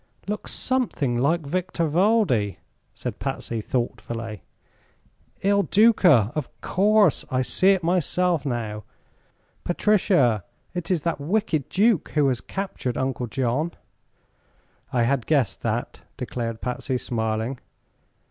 "Looks something like Victor Valdi," said Patsy, thoughtfully. "Il Duca? Of course! I see it myself, now. Patricia, it is that wicked duke who has captured Uncle John." "I had guessed that," declared Patsy, smiling.